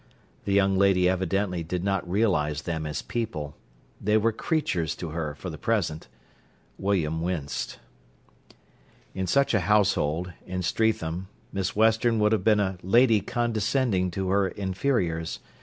The young lady evidently did not realise them as people: they were creatures to her for the present. William winced. In such a household, in Streatham, Miss Western would have been a lady condescending to her inferiors.